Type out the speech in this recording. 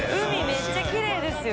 めっちゃきれいですよ。